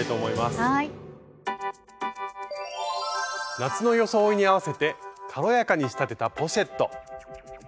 夏の装いに合わせて軽やかに仕立てたポシェット。